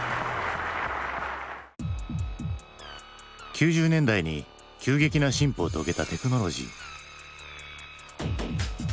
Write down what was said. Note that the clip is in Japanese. ９０年代に急激な進歩を遂げたテクノロジー。